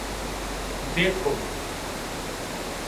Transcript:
देखो।